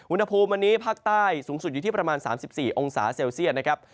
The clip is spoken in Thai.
อุณหภูมิวันนี้ภาคใต้สูงสุดอยู่ที่ประมาณ๓๔องศาเซลเซียตนะครับ